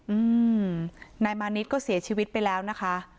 อืมนายมานิดก็เสียชีวิตไปแล้วนะคะ